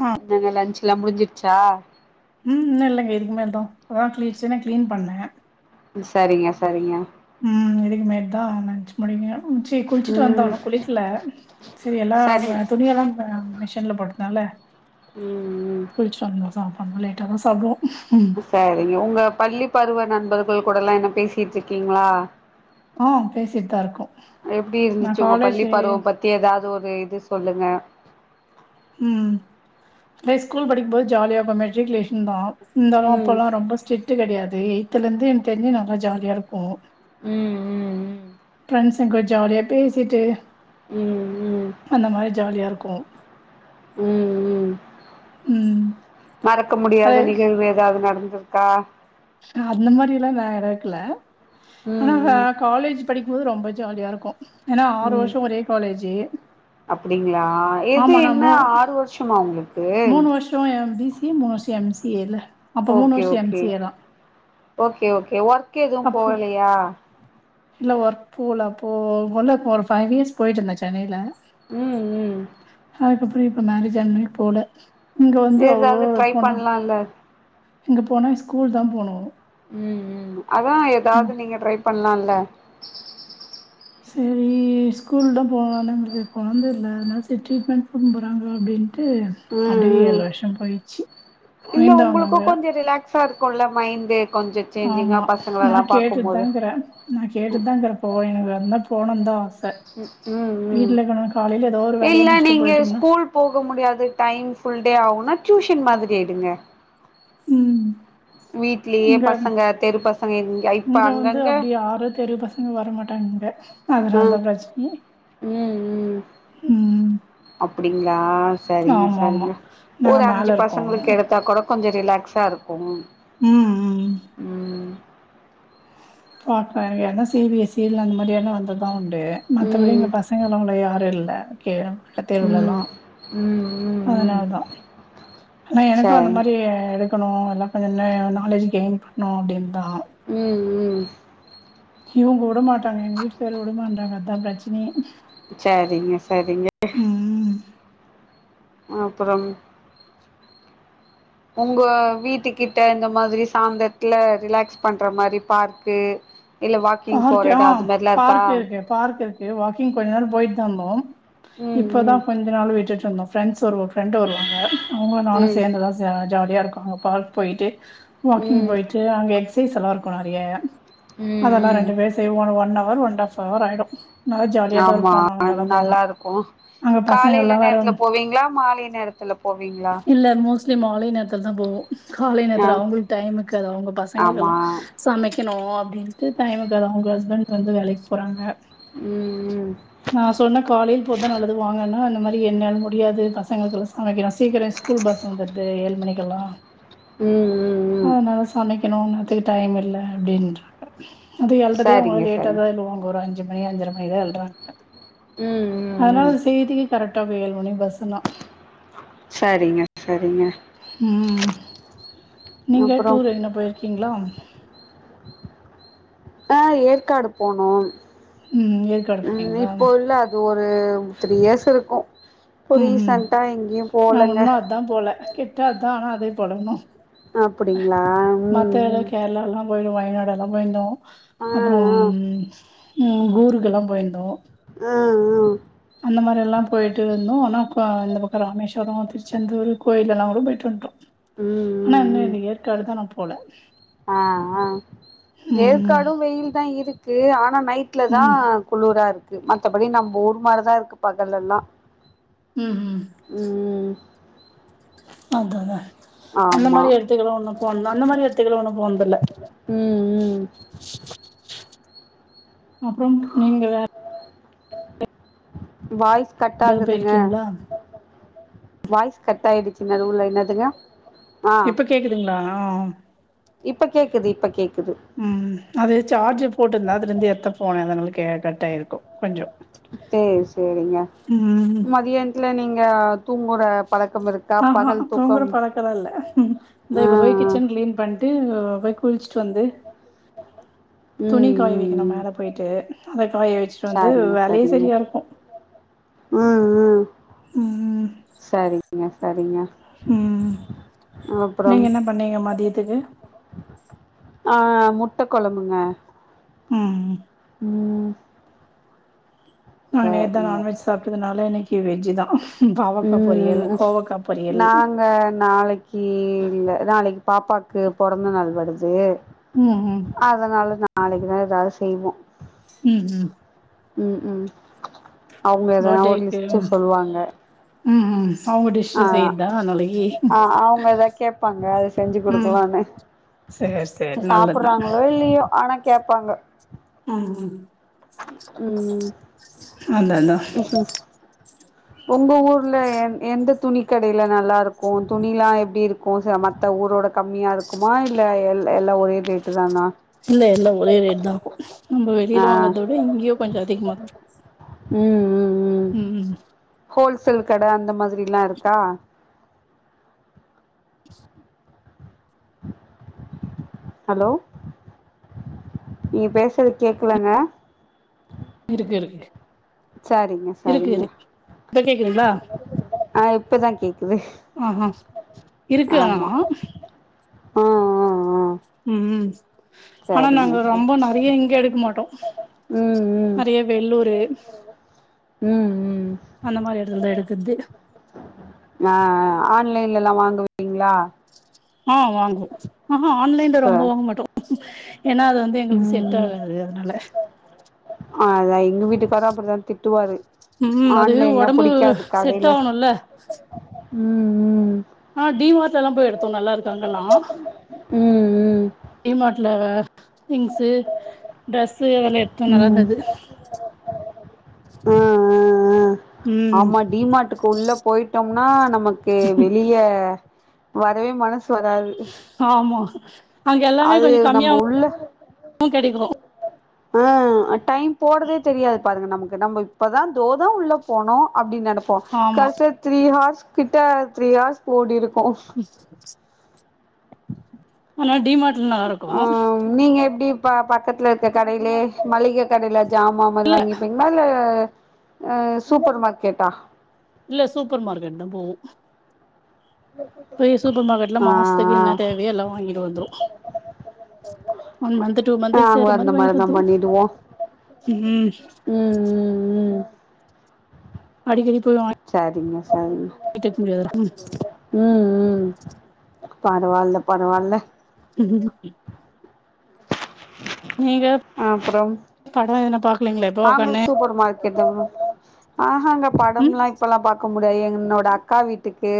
அ மதியானோ லன்ச்சலா முடிஞ்சிருச்சா ம் இன்னோ இல்லைங்க இதுக்கு மேல்தா இப்பதா கிச்சன கிளீன் பண்ணே செரிங்க செரிங்க ம் இதுக்கு மேட்தா லஞ்ச்சு முடிக்கணு ம் சி குளிச்சுட்டு ம் வந்தோனு குளிக்கில செரி எல்லா சரி துணியெல்லா மிஷின்ல போட்டனால ம் குளிச்சுட்டு வந்துதா சப்பட்னு லேட்டாதா சாப்புடுவோ சேரிங்க உங்க பள்ளி பருவ நண்பர்கள் கூடலா இன்னோ பேசிட்ருக்கீங்ளா ஆ பேசிட்டு தா இருக்கோ எப்டி நா இருந்துச்சு உங்க பள்ளி காலேஜு பருவோ பத் தி ஏதாவ்து ஒரு இது சொல்லுங்க ம் அதே ஸ்கூல் படிக்கும்போது ஜாலியா இருக்கு மெட்ரிகுலேஷன்தா இருந்தாலு ம் அப்பெல்லா ரொம்ப ஸ்ட்ரிக்ட்டு கடையாது எய்துல இருந்து எனக்கு தெரிஞ்சு நல்லா ஜாலியா இருப்போ ம் ம் ம் ஃப்ரெண்ட்ஸ் கூட ஜாலியா பேசிட்டு ம் ம் அந்த மாரி ஜாலியா இருக்கும் ம் ம் உம் மறக்க முடியாத நிகழ்வு எதாவது நடந்திருக்கா அந்த மாரி எல்லாம் நடக்கல ஆனா ம் ம் காலேஜ் படிக்கும்போது ரொம்ப ஜாலியா இருக்கும் ஏன்னா ஆறு வருஷோம் ஒரே காலேஜு அப்டிங்ளா எது ஆமா நா என்ன மூ ஆறு வருஷமா உங்களுக்கு மூ பி சி மூணு வருஷம் எம் சி ஏ ல அப்ப மூணு ஓகே வருஷோம் எம் சி ஓகே ஏ லா ஓகே ஓகே ஒர்க் எதும் அப்போ போகலயா இல்ல ஒர்க் போல அப்போ உள்ள ஒரு ஃபைவ் இயர்ஸ் போயிட்டு இருந்தே சென்னைல உம் அதுக்கப்றோ இப்ப மேரேஜ் அந்தனைக்கு போல இங்க வந்து அவ்ளோ ஏதாவது ட்ரை போனே பண்ணலால்ல இங்க போன ஸ்கூல் தா போனூ உம் ம் அதான் ஏதாவது நீங்க ட்ரை பண்ணலால்ல சேரி இனி ஸ்கூல் தா போலானுருந்தே கொழந்த இல்ல அதனால செரி ட்ரீட்மெண்ட் போகிற்லா அப்டின்ட்டு ம் அப்டியே ம் ஏழு வருஷோ போயிருச்சு கொழந்தாங்கங்க ஃப்ரீயா இருக்குல்ல மைன்டு கொஞ்சோ சேஞ்சிங்கா ஆமா நா பசங்களலா கேட்டுட்தா பாக்கும்போது இருகுறேன் நா கேட்டுட்டுதாங்கறே போ எனக்கு வந்தா போகணும்தா ஆச சிஸ்டர் உம் வீட்ல இருக்கணும் காலையில ஏதோ ஒரு வேலைய இனிமேல் முடிச்சுட்டு நீங்க போயிட்டோம்னா ஸ்கூல் போக முடியாது டைம் ஃபுல் டே ஆகும்னா டியூஷன் மாதிரி எடுங்க உம் வீட்லயே உங்க பசங்க தெரு பசங்க இப்ப இங்க வந்து அங்கங்க அப்டி யாரு பெரிய பசங் ங்க வரமாட்டாங்க‌ ஆ அதனாலதா பிரச்சனையே ம் ம் உம் அப்டிங்களா சரிங்க ஆமாமா. சரிங்க நாங்க ஒரு மேல அஞ்சு இருக்கோம். பசங்களுக்கு எடுத்தா கூட கொஞ்சோ ரிலாக்ஸாக இருக்கு உம் ம், ம். பாப்பே இல்லனா சிபிஸி இல்ல அந்த மாரியெல்லாம் வந்தா தா உண்டு மத்த படி ம் பச [unintelligible] வேற யாரும் இல்ல கேக் த் தேர்வுழலா ம் ம் ம் ம் அதனால தா ஆனா எனக்கும் அந்த சரி மாரி எடு க்கணும் எல்லா கொஞ்சோ நாலேஜ் கெயின் பண்ணு அப்டின் தா உம் உம் இவுங்க விடமாட்டாங்க எங்க வீட்டுக்காரு விடமாட்றாங்க அதா பிரச்சனயே சேரிங்க சரிங்க அப்றம் உங்க வீட்டு கிட்ட இந்த மாதிரி சாயந்ரத்துல ரிலாக்ஸ் பண்ற மாதிரி பார்க்கு இல்ல வாக்கிங் போற பார்க்கா எடோ அது மாரிலா இருக்கா பார்க் இருக்கு பார்க் இருக்கு வாக்கிங் கொஞ்ச நேரோ போயிட்டு தா வந்தோ உம் உம் இவலவு நாள் விட்டுட் இருந்தோ ஃபிரண்ட்ஸ் வருவா ஃப்ரெண்ட் வருவாங்க அவுங்களும் நானும் ம் சேந்து தான் ச ஜாலியா இருக்கும் அங்க பார்க் போயிட்டு வாக்கிங் ம் போயிட்டு அங்க எக்சைஸ்ல்லா இருக்கும் நெறைய ம் அதெல்லாம் ம் ரெண்டு பேர் செய்வோம் one hour one and half hour ஆயிடு நல்லா ஜாலியா தா ஆமா இருக்கு ஆனா அங்கெல்லாம் போனா நல்லா இருக்கு அங்க பசங்கள் காலையில எல்லாம் வேற நேரத்துல போவீங்களா மாலை நேரத்துல போவீங்களா இல்ல மோஸ்லி மாலை நேரத்துல தா போவோம் காலை ஆ நேரத்துல அவுங்களுக்கு டைமுக்கு அது அவங்க ஆமா பசங்களுக்குல்லா சமைக்கணும் அப்டின்ட்டு டைமுக்கு அவுங்க ஹஸ்பண்ட் வந்து வேலைக்கு போறாங்க ம், ம் நா சொன்னே காலையில போறதுதா நல்லது வாங்கன்னு அந்த மாரி என்னால முடியாது பசங்களுக்குலா சமைக்கினு சீக்கிரோ ஸ்கூல் பஸ் வந்துருது ஏழு மணிக்கெல்லா ம் ம் ம் அதனால சமைக்கணு அந்நேரத்துக்கு டைம் இல்ல அப்டின்றாங் அது எழுறதே அவங்கள்லா சரிங்க சரிங்க லேட்டாதா எழுவாங்க ஒரு அஞ்சு மணி அஞ்சர மணிதா எழுறாங்க ம் ம் அதனால ம் செய்யிறதுக்கே கரெக்டாக்கு ஏழு மணி பஸ்னா சரிங்க சரிங்க ம் நீங்க அப்புறோ டூர் எங்கனா போயிருக்கீங்ளா ஆ ஏற்காடு போனோ, ம் ஏற்காடு ம் போனீங்களா இப்போ இல்ல அ து ஒரு த்ரீ இயர்ஸ் இருக்கு இப்ப ம் ம் ரீசன்டா எங்கயு நா போலங்க உன்னு அதா போல கிட்ட அதா ஆனா அதே போல இன்னு அப்படிங்ளா, ம், ம் போயிட்டு வயநாடு எல்லா போயிருந்தோ ஆ அப்பறோ ஆ ம், ம் ஊருக்கு எல்லா போயிருந்தோ ம், ம் அந்த மாரி எல்லா போயிட்டு இருந்தோ ஆனா ப இந்த பக்கோ ராமேஸ்வரம் திருச்செந்தூரு கோயில் எல்லா கூட போயிட்டு வந்துட்டோ ஆனா ம் இன்னு ம் இந்த ஏற்காடுதா நா போல ஆ ஆ ஆ ம் ஏற்காடும் வெயில்தா இரு க்கு ஆனா நைட்லதா ம் குளிரா இருக்கு மத்தபடி நம்ம ஊர் மாரிதா இருக்கு பகல்ல எல்லா ம் ம் ம் அதா அதா அந்த ஆமா மாரி எடத்துக்குலா இன்னு போன அந்த மாரி எடத்துக்லா இன்னு போனது இல்ல ம் ம் அப்பறோ நீங்க வேற வாய்ஸ் கட் எங்கயாவது ஆகுதுங்க போயிருக்கீங்களா வாய்ஸ் கட் ஆயிடுச்சு நடுவுல என்னதுங்க ஆ இப்ப கேக்குதுங்ளா ஆ இப்ப கேக்குது இப்ப கேக்குது ம் அது சார்ஜ் போட்டுஇருந்தா அதுல இருந்து எடுத்த ஃபோன் அதா உங்களுக்கு கட் ஆயிருக்கு கொஞ்சோ சேரி சேரிங்க ம் மதியானத்துல நீங்க தூங்குற பழக்கம் இருக்கா ஆஹ பகல் தூங்குற தூக்கம் பழக்கலா இல்ல இந்தா ஆ இப்பப்போய் ஆ கிச்சன் கிளீன் பண் ட்டு போய் குளிச்சிட்டு வந்து ம் துணி காய ம் வைக்கனு ம் மேல போயிட்டு அதை காய வச்சுட்டு வந்து சரிங்க வேலையே சரிங்க செரியா இருக்கு ம், ம், ம் செரிங்க செரிங்க ம் அப்றோம் நீங்க என்ன பண்ணீங்க மதியத்துக்கு ஆ முட்ட கொழம்புங்க ம் ம் நா நேத்துதா சரிங்க நான்வெஜ் சாப்ட்டதுனால இன்னிக்கு வெஜுதா பாவக்கா பொரியல், கோவக்கா பொரியல், வ நாளைக் கி இல்ல நாளைக்கு பாப்பாக்கு பொறந்த நாள் வருது ம் ம் அதனாலதா நாளைக்குதா எதாவ்து செய்வோ ம் ம் ம் ம் அவுங்க எதனா ஒரு பர்த்டேக்கு லிஸ்ட் சொல்லுவாங்க ம் ம் அவங்க ஆ டிஷ்ஷு அ செய்தா நாளைக்கி ஆ அவுங்க எதா கேப்பாங்க அது செஞ்சு ம் குடுக்கலானு சேர் சேர் நல்லதுதான் சாப்புறாங்களோ இல்லையோ ஆனா கேப்பாங்க ம் ம் ம் ம் அந்தனா ஒங்க ஊருல எந் எந்த துணி கடைல நல்லா இருக்கு துணிலா எப்டி இருக் கு செ மத்த ஊரோட கம்மியா இருக்குமா இல்ல எல் எல்லா ஒரே ரேட்டு தானா இல்ல இல்ல ஒரே ரேட்தா இருக்கு நம்ப வெளில ஆ வாங்கறத விட இங்கேயு கொஞ்சோ அதிகமாதா ம் ம் ம் ஹோல்சேல் கட அந்த மாதிரில்லா‌ இருக்கா ஹலோ நீங்க பேசது கேக்கலங்க இருக்கு இருக்கு சாரிங்க இருக்கு சாரிங்க இரு இப்ப கேக்குதுங்களா ஆ இப்பதா கேக்குது ஆஹா இருக்கு ஆனா ஆமா அ அ அ ம் ம் ஆனா நாங்க சரி ரொம்ப நெறைய இங்க எடுக்க மாட்டோ ம் ம் நெறைய வெள்ளூரு ம் ம் அந்த மாரி எடத்துலதா எடுக்கது ஆ ஆ ஆன்லைன்லலா வாங்குவீங்களா ஆ வாங்குவோ ஆஹ ஆன்லைன்ல ச ரொம்ப வாங்க மாட்டோம் ஏனா அது வந் து எங்களுக்கு ம் செட் ம் ஆகாது அதுனால அதா எங்க வீட்டுக்காரு அப்டிதா திட்டுவாரு ம் அது ஆன்லைன்லா ஒடம்பு புடிக்காது செட் கடைல ஆகணும்ல ம் ஆனா டிமார்ட்ல எல்லா போய் எடுத்தோ நல்லா இருக்கு அங்கல்லா ம் ம் ம் டிமார்ட்லவா திங்ஷ்சு ட்ரஸ் அதெல்லா எடுத்தேன் ஆ நல்லாருந்தது ஆ ம் குள்ள போயிட்டோம்னா நமக்கு வெளிய வரவே மனசு வராது ஆமா அங்கே எல்லாமே அது கொஞ்சொ நம்ம கம்மியா உள்ள வு கெடைக்கு ஆ டைம் போறதே தெரியாது பாருங்க நமக்கு நம்ம இப்பதா தோதா உள்ள போனோ அப்டின்னு நெனப் போ ஆமா கடசில த்ரீ ஹார்ஸ் கிட்ட த்ரீ ஹார்ஸ் ஒடிருக்கு ஆனா டிமார்ட்ல நல்லாருக்கு ஆ நீங்க எப்டி ப பக்கத்துல இருக்குற கடைலே மளிக கடைல ஜாமா மாரி இல்ல வாங்கிப்பீங்கலா இல்ல அ சூப்பர் மார்க்கெட்டா இல்ல சூப்பர் மார்க்கெட்தா போவோ போய் சூப்பர் மார்க்கெட்ல ஆ மாசத்துக்கு ஆ என்ன தேவையே எல்லா வாங்கிட்டு வந்துருவோ ஒன் மந்து டூ மந்துக்கு நாங்களு சேருற அந்த மாரி வாங்கிட்டு மாரிதா வந்துருவோ பண்ணிடுவோ ம் ம் ம் ம் அடிக்கடி போய் வாங்கி சரிங்க சரிங்க விட்டுல வைக்க முடியாதுடா ம் ம் பரவால்ல பரவால்ல ம் நீங்க அப்றோ படோ எதுனா பாக்கலீங்களா இப்போ நாங்களு உக்கான்னு சூப்பர் மார் கெட் போனோ ஆஹா அங்க ம் படமெல்லா இப்பல்லா பாக்க முடியாது என்னோட அக்கா வீட்டுக்கு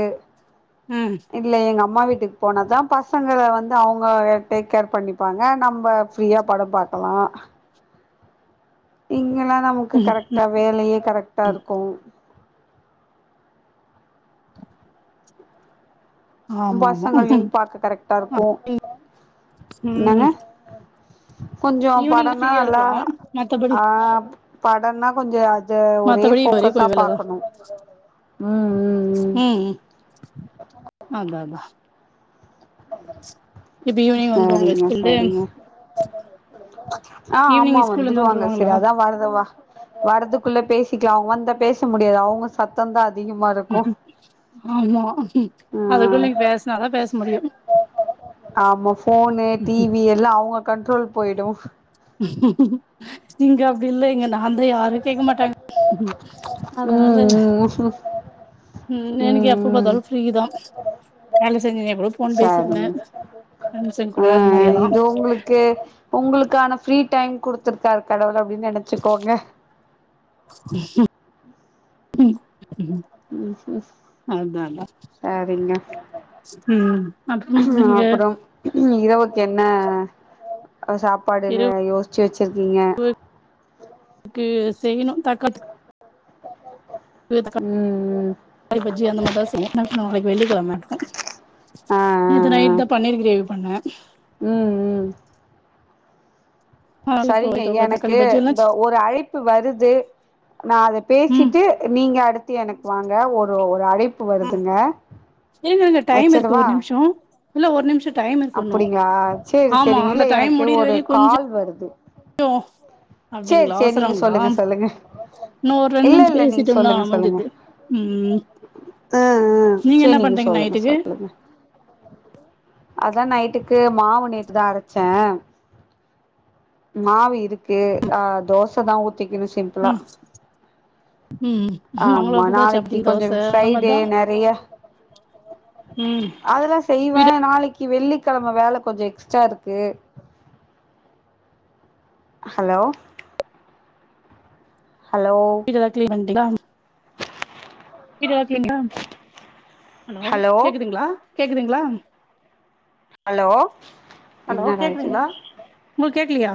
ம் இல்ல எங்க அம்மா வீட்டுக்கு போனதா பசங்கல வந்து அவங்க டேக் கேர் பண்ணிப்பாங்க நம்ப ஃப்ரீயா படம் பாக்கலா இங்கெல்லா நமக்கு ம் கரெக்டா வேலையே கரெக்டா இருக்கு ஆமா ஆமா பசங்களாயு பாக்க கரெக்டா இருக்கு என்னங்க ம் கொஞ்சோ ஈவினிங்னா படம்னா ஃப்ரீயா நல்லா இருக்கலா மத்தபடி ஆ படம்னா கொஞ்சோ கொஞ்சோ ஒரே மத்தபடி இப்ப வரைக்கு போக்கஸா கொஞ்சோ வேலதா பாக்கணு ம் அதா அதா இப்ப ஈவினிங் வந்துருவாங்களா சரிங்க ஸ்கூல்லந்து சரிங்க ஆ ஆமா ஈவினிங் ஸ்கூல்லந்து வந்துருவாங்க சேரி வந்துருவாங்களா அதா வருதவா வரதுக்குள்ள பேசிக்கலா அவுங்க வந்தா பேச முடியாது அவங்க சத் தந்தா அதிகமாருக்கு ஆமா அதுக்குள்ள ம் நீங்க பேசினாதா பேச முடியு ஆமா போன்னு டிவி எல்லா அவங்க கண்ட்ரோல் போயிடு இங்க அப்படி இல்லங்க நா வந்த யாரு கேட்க மாட்டாங்க அதனால ம் ம் எனக்கு எப்ப ம் பாத்தாலு ஃப்ரீதா வேல செஞ்சுனுனே கூட ஃபோன் பேசிருவே சரிங்க ஃப்ரெண்ட்ஸுங் ஆ கூட அந்த மாரி எல்லா இது உங்களுக்கு உங்களுக்கான ஃப்ரீ டைம் குடுத்துருக்காரு கடவுள் அப்டின்னு நெனைச்சுக்கோங்க ம் [unintelligible] சரிங்க ம் அப்றம் நீங்க இரவுக்கு என்ன சாப்பாடுன்னு யோசிச்சு வெச்சுருக்கீங்க இன்னைக்கு செய்யணும் தக்காளி [inaudible] ம் ம் தக்காளி பஜ்ஜி அந்த மாரிதா செய்வோ நாளைக்கு வெள்ளி கெழம ஆ ஆ நேத்து ஆ நைட் தா பன்னீர் கிரேவி பண்ண ம் ம் ஆ இப்போ சரிங்க தொக்கு தக்காளி எனக்கு பஜ்ஜி எல்லா இந்த ஒரு அழைப் ப்பு வருது நா அத ம் பேசிட்டு நீங்க அடுத்து எனக்கு வாங்க ஒரு ஒரு அழைப் ம் இருங்க இருங்க டைம் இருக்கு ஒரு வச்சிடவா நிம்ஷோ இல்ல ஒரு நிம்ஷோ டைம் இருக்கு இன்னு அப்டிங்களா சேரி ஆமா சேரிங்க இல்ல அந்த டைம் எனக்கு முடிற ஒரு வரை கொஞ்சே கால் வருது [unintelligible] சேரி அப்பிடிங்களா சேரி நீங்க அவசரங்களா சொல்லுங்க சொல்லுங்க இன்நொறு ரெண்டு இல்ல நிமிச இல்ல நீங்க பேசிட்டு இருந்தா சொல்லுங்க சொல்லுங்க முஞ்சிது ம் ம் ம் நீங்க சேரி என்ன பண்றீங்க சொல்லுங்க நைட்டுக்கு சொல்லுங்க அதா நைட்டுக்கு மாவு நேந்துதா அரச்சே மாவு இருக் கு அ தோசதா ஊத்திக்கினு சிம் ம்.. ‌ ம் ம் நாங்களு ஆமா அப்டிதா சப்டி நாளைக்கு தோச கொஞ்சோ அந்த ஃப்ரைடே மார்தா அதலா செய்வே வீட்ட நாளைக்கி வெள்ளிக்கெழம வேல கொஞ்சோ எக்ஸ்ட்ரா இருக்கு ஹலோ ஹலோ இதலாங் கிளின் பண்ட்டிங்ளாம் இது ஓகேங்ளா ஹலோ கேக்குதுங்ளா கேக்குதுங்ளா ஹலோ என்னடா இது... உங்கு கேக்லியா